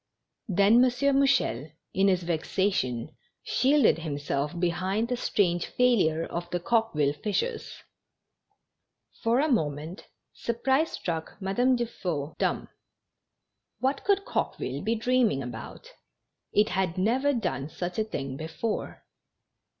Then M. Mouchel, in his vexation, shielded himself behind the strange failure of the Coqueville fishers. For a moment, surprise struck Madame Dufeu dumb. What could Coqueville be dreaming about ? It had never done such a thing before.